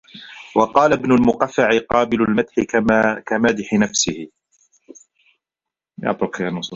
وَقَالَ ابْنُ الْمُقَفَّعِ قَابِلُ الْمَدْحِ كَمَادِحِ نَفْسِهِ